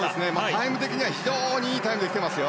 タイム的には非常にいいタイムできています。